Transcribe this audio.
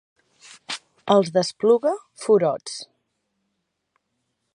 Els d'Espluga, furots.